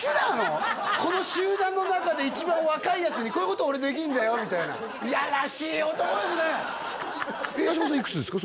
この集団の中で一番若いヤツにこういうこと俺できるんだよみたいな八嶋さんいくつですか？